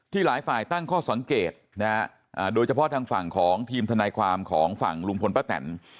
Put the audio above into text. หลายฝ่ายตั้งข้อสังเกตนะฮะโดยเฉพาะทางฝั่งของทีมทนายความของฝั่งลุงพลป้าแตน